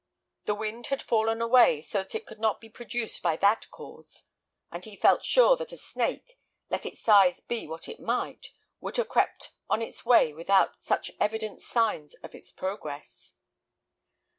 The wind had fallen away, so that it could not be produced by that cause; and he felt sure that a snake, let its size be what it might, would have crept on its way without such evident signs of its progress.